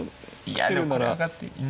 いやでもこれ上がって。